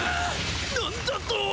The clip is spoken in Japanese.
なんだと？